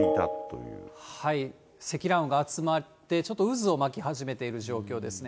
積乱雲が集まって、ちょっと渦を巻き始めている状況ですね。